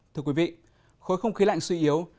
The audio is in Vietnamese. thưa quý vị khối không khí lạnh suy yếu